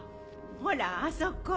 ほらあそこ